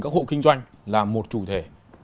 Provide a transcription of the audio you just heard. các hộ kinh doanh là một chủ thể